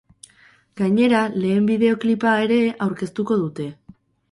Gainera, lehen bideoklipa ere aurkeztuko dute.